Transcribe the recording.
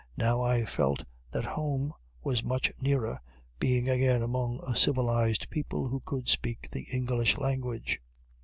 Now I felt that home was much nearer, being again among a civilized people who could speak the English language.